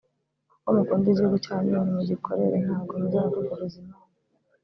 “Kuko mukunda igihugu cyanyu ni mugikorere ntabwo muzavuguruza Imana